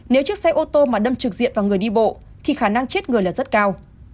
nếu chiếc xe ô tô mà đâm trực diện vào người đi bộ thì khả năng chết người là rất cao